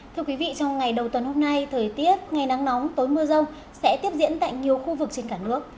thưa quý vị trong ngày đầu tuần hôm nay thời tiết ngày nắng nóng tối mưa rông sẽ tiếp diễn tại nhiều khu vực trên cả nước